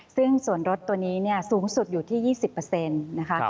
ซึ่งส่วนลดตัวนี้เนี่ยสูงสุดอยู่ที่๒๐เปอร์เซ็นต์นะคะ